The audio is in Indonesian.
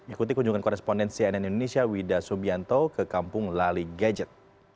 ikuti kunjungan korespondensi ann indonesia wida subianto ke kampung lali gadget